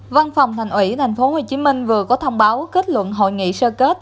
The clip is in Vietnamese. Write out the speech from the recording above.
văn phòng thành ủy thành phố hồ chí minh vừa có thông báo kết luận hội nghị sơ kết